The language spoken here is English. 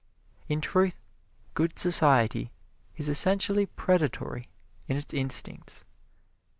In truth, "good society" is essentially predatory in its instincts.